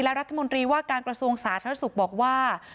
และรัฐมนตรีว่าการกระทรวงสาธารณสุขบอกว่า